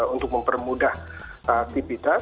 untuk mempermudah aktivitas